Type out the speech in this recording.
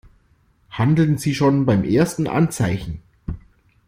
Handeln Sie schon beim ersten Anzeichen!